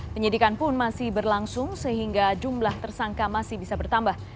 penyidikan pun masih berlangsung sehingga jumlah tersangka masih bisa bertambah